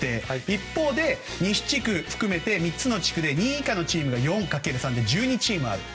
一方で西地区含めて３つの地区で２位以下のチームが４×３で１２チームあります。